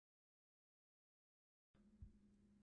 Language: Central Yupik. asgulirneq